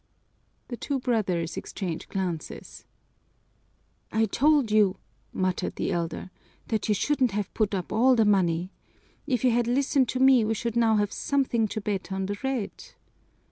The two brothers exchange glances. "I told you," muttered the elder, "that you shouldn't have put up all the money. If you had listened to me we should now have something to bet on the red."